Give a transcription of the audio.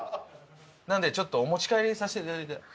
なのでちょっとお持ち帰りにさせていただいて。